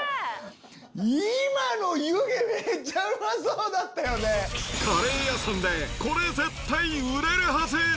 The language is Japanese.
今の湯気、めっちゃうまそうカレー屋さんでこれ、絶対売れるはず。